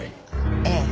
ええ。